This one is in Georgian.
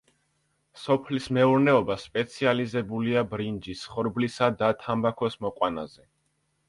სოფლის მეურნეობა სპეციალიზებულია ბრინჯის, ხორბლისა და თამბაქოს მოყვანაზე.